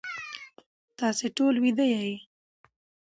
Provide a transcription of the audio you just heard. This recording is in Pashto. تاسی ټول ویده یی